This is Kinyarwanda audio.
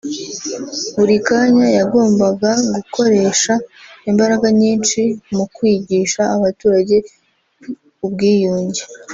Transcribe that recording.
buri kanya yagombagagukoresha imbaraga nyinshi mu kwigisha abaturage ubwiyunge